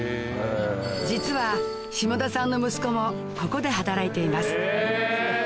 実は下田さんの息子もここで働いています